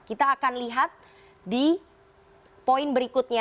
kita akan lihat di poin berikutnya